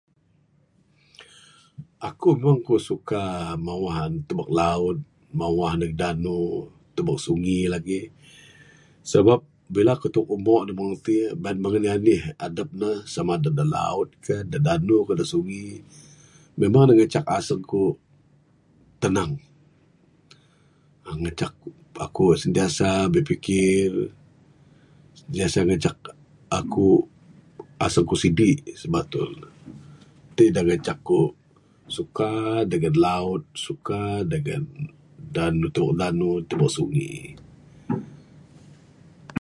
Akuk mung kuk suka mawah antu', mawah nduh laut, mawah ndug danu, tubuk sungi lagik. Sebab bila kuk tebuk umo da mung ti', mung anih anih adup ne, samada adup da laut kah, da danu kah, da sungi, memang ne ngancak asung kuk tenang. uhh Ngancak akuk sentiasa bipikir, sentiasa ngancak akuk, asung kuk sidik sibatul ne. Tik da ngancak kuk suka dengan laut, suka dangan dan tuk danu, tubuk sungi.